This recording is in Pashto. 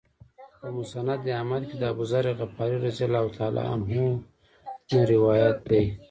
په مسند احمد کې د أبوذر غفاري رضی الله عنه نه روایت دی.